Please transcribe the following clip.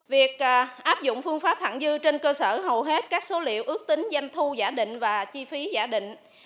việc áp dụng phương pháp thẳng dư trên cơ sở hầu hết các số liệu ước tính doanh thu giả định và chi phí giả định